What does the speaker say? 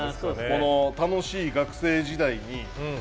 この楽しい学生時代に。